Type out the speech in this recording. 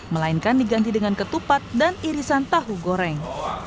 melainkan diganti dengan ketupat dan irisan tahu goreng